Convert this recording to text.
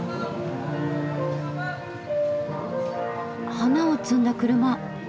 花を積んだ車。